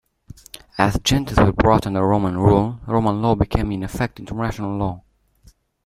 As "gentes" were brought under Roman rule, Roman law became in effect international law.